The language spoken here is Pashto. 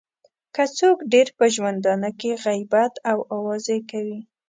که څوک ډېر په ژوندانه کې غیبت او اوازې کوي.